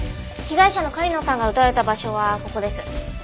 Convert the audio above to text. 被害者の狩野さんが撃たれた場所はここです。